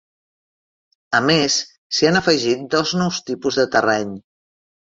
A més, s'hi han afegit dos nous tipus de terreny.